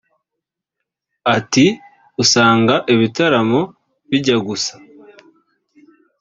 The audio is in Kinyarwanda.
Ati “Usanga (ibitaramo) bijya gusa